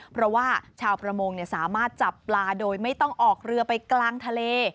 เพราะว่าชาวประมงสามารถจับปลาโดยไม่ต้องออกเรือไปกลางทะเล